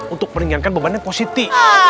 untuk meninggalkan beban yang positi